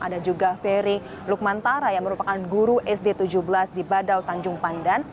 ada juga ferry lukmantara yang merupakan guru sd tujuh belas di badau tanjung pandan